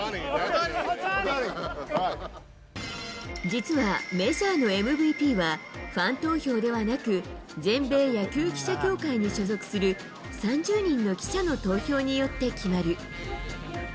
実はメジャーのＭＶＰは、ファン投票ではなく、全米野球記者協会に所属する３０人の記者の投票によって決まる。